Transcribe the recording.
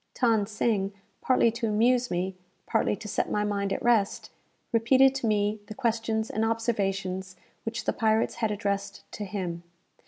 Than Sing, partly to amuse me, partly to set my mind at rest, repeated to me the questions and observations which the pirates had addressed to him.